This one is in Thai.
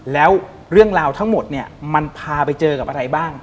แล้วเรื่องราวทั้งหมดเนี่ยมันพาไปเจอกับอะไรบ้าง